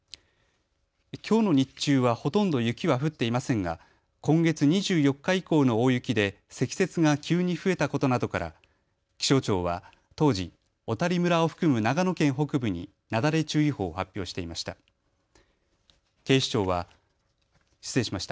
きょうの日中はほとんど雪は降っていませんが今月２４日以降の大雪で積雪が急に増えたことなどから気象庁は当時、小谷村を含む長野県北部になだれ注意報を発表していました。